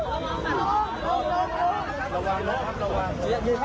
โอ้โหกลัวกลัวลาวานโอ้โห